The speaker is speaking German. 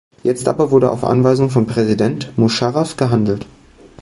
Jetzt aber wurde auf Anweisung von Präsident Musharaf gehandelt.